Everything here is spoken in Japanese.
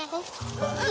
あっ。